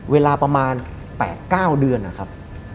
เวลาประมาณ๘๙เดือนนะครับ